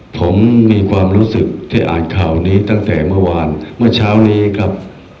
ผมมีความรู้สึกที่อ่านข่าวนี้ตั้งแต่เมื่อวานเมื่อเช้านี้ครับ